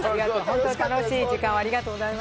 ホント楽しい時間をありがとうございました。